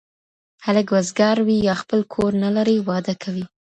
هلک وزګار وي، يا خپل کور نلري، واده کوي